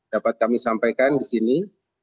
dapat kami sampaikan di sini